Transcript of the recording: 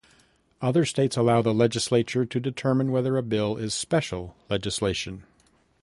Other states allow the legislature to determine whether a bill is special legislation.